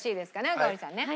赤堀さんね。